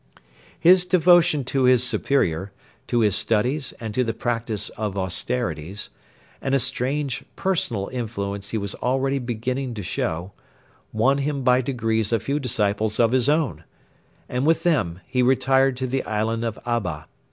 His devotion to his superior, to his studies and to the practice of austerities, and a strange personal influence he was already beginning to show, won him by degrees a few disciples of his own: and with them he retired to the island of Abba.